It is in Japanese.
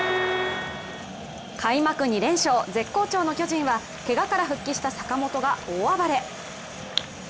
開幕２連勝、絶好調の巨人はけがから復帰した坂本が大暴れ。